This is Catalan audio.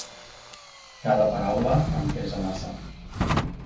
“Cada paraula em pesa massa.